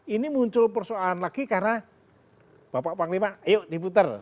ini muncul persoalan lagi karena bapak panglima ayo diputar